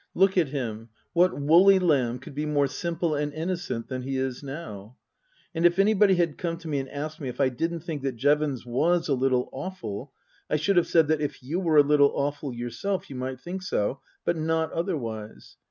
Look at him what woolly lamb could be more simple and innocent than he is now ?" And if anybody had come to me and asked me if I didn't think that Jevons was a little awful I should have said that if you were a little awful yourself you might think so, but not otherwise.